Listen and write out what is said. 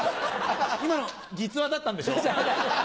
今の実話だったんでしょ？